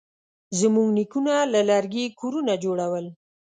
زموږ نیکونه له لرګي کورونه جوړول.